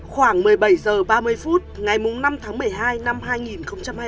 khoảng một mươi bảy h ba mươi phút ngày năm tháng một mươi hai năm hai nghìn hai mươi ba